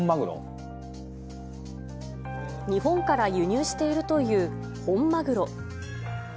日本から輸入しているという本マグロ。